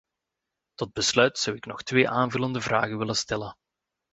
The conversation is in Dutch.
Tot besluit zou ik nog twee aanvullende vragen willen stellen.